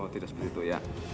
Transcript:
tidak seperti itu ya